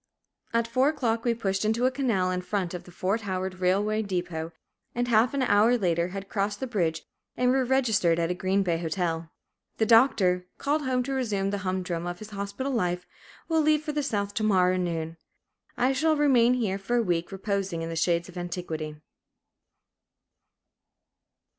At four o'clock we pushed into a canal in front of the Fort Howard railway depot, and half an hour later had crossed the bridge and were registered at a Green Bay hotel. The Doctor, called home to resume the humdrum of his hospital life, will leave for the South to morrow noon. I shall remain here for a week, reposing in the shades of antiquity.